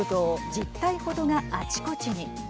１０体程があちこちに。